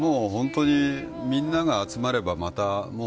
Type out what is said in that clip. みんなが集まればまた、もう。